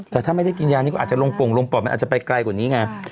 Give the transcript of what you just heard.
แต่ถ้าไม่ได้กินยานี่ก็อาจจะลงปงลงปอดมันอาจจะไปไกลกว่านี้ไง